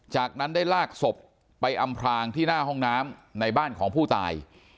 จากนั้นได้ลากศพไปอำพรางที่หน้าห้องน้ำในบ้านของผู้ตาย